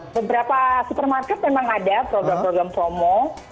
beberapa supermarket memang ada program program promo